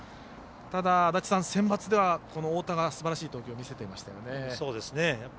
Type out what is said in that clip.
ただ、センバツではこの太田がすばらしい投球を見せていましたよね。